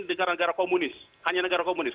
negara negara komunis hanya negara komunis